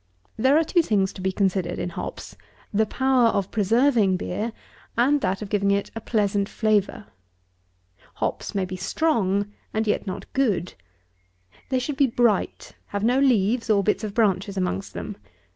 There are two things to be considered in hops: the power of preserving beer, and that of giving it a pleasant flavour. Hops may be strong; and yet not good. They should be bright, have no leaves or bits of branches amongst them.